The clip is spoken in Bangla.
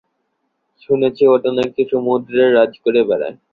শুনেছি ওটা নাকি সমুদ্রে রাজ করে বেড়ায়।